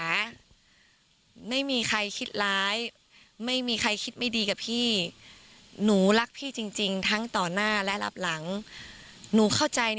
เอาเดี๋ยวฟังเธอตอบค่ะ